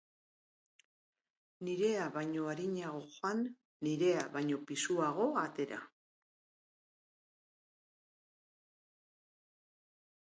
Nirea baino arinago joan, nirea baino pisuago atera.